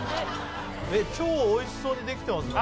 超おいしそうにできてますね。